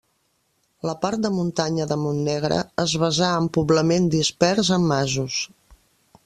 La part de muntanya de Montnegre es basà en poblament dispers en masos.